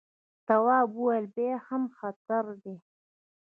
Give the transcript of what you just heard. تواب وويل: بیا هم خطر دی.